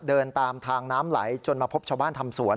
เดินตามทางน้ำไหลจนมาพบชาวบ้านทำสวน